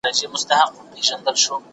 ډېري کالنۍ هم سته، د هغو له جملې څخه د